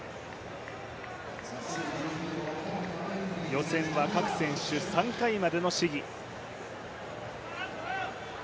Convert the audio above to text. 予選は各選手３回までの試技。